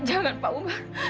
jangan pak umar